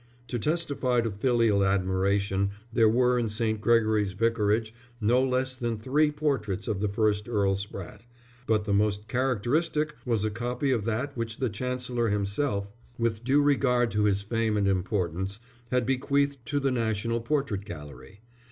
To testify to filial admiration there were in St. Gregory's Vicarage no less than three portraits of the first Earl Spratte, but the most characteristic was a copy of that which the Chancellor himself, with due regard to his fame and importance, had bequeathed to the National Portrait Gallery.